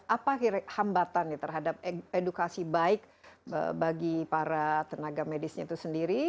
apa hambatan terhadap edukasi baik bagi para tenaga medisnya itu sendiri